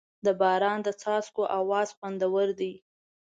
د باران د څاڅکو اواز خوندور دی.